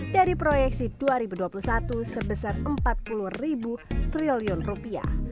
dari proyeksi dua ribu dua puluh satu sebesar empat puluh ribu triliun rupiah